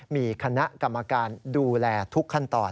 มีคณะกรรมการดูแลทุกขั้นตอน